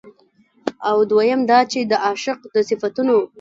او دويم دا چې د عاشق د صفتونو